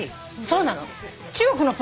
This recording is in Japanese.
そうなの。